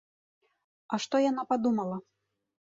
А што яна падумала?